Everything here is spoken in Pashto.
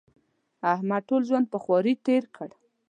احمد ټول ژوند په خواري تېر کړ.